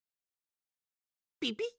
ピピッ？